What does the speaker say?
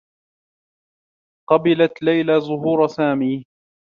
قبلت ليلى زهور سامي.